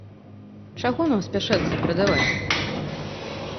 Чаго нам спяшацца прадаваць?